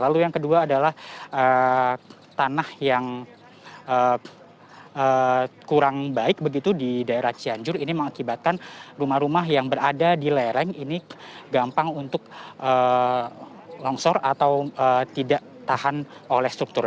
lalu yang kedua adalah tanah yang kurang baik begitu di daerah cianjur ini mengakibatkan rumah rumah yang berada di lereng ini gampang untuk longsor atau tidak tahan oleh struktur